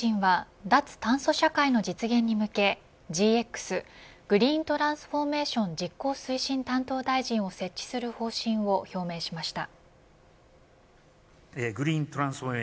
岸田総理大臣は脱炭素社会の実現に向けＧＸグリーントランスフォーメーション実行推進担当大臣を設置する方針を表明しました。